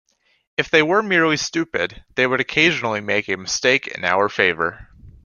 If they were merely stupid, they would occasionally make a mistake in our favor.